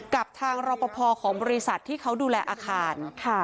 กับทางรอปภของบริษัทที่เขาดูแลอาคาร